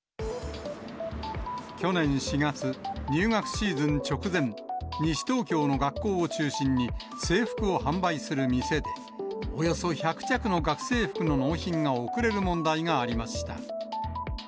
去年４月、入学シーズン直前、西東京の学校を中心に、制服を販売する店で、およそ１００着の学生服の納品が遅れる問題がありました。